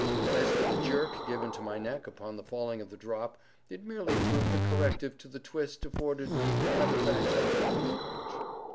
As for the jerk given to my neck upon the falling of the drop, it merely proved a corrective to the twist afforded me by the fat gentleman in the coach.